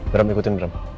bram ikutin bram